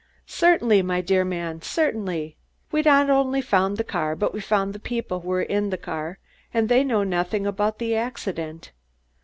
"Certainly, my dear man, certainly! We've not only found the car, but we found the people who were in the car and they know nothing about the accident.